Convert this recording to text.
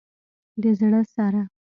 د زړه سره